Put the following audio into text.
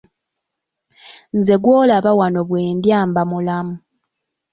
Nze gw’olaba wano bwe ndya mba mulamu.